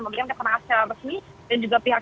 mengambilkan keperangannya resmi dan juga pihak